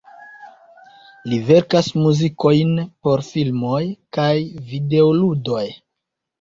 Li verkas muzikojn por filmoj kaj videoludoj.